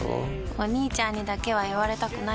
お兄ちゃんにだけは言われたくないし。